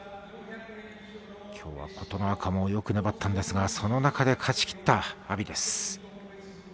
きょうは琴ノ若もよく粘ったんですが、その中で勝ち切った阿炎です。